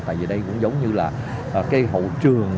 tại vì đây cũng giống như là cái hậu trường